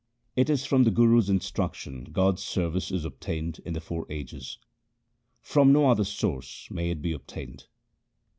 It is from the Guru's instruction God's service is obtained in the four ages : From no other source may it be obtained.